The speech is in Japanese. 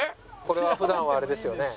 これは普段はあれですよね。